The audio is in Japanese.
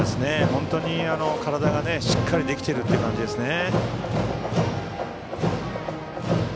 本当に体がしっかりとできているという感じですね。